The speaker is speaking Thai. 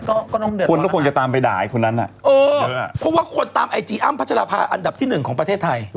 กองกรหมาแมวก็ต้องเดือด